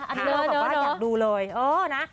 อันนี้เราบอกว่าอยากดูเลยโอ้นะ